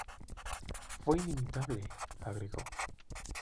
Fue inimitable" agregó.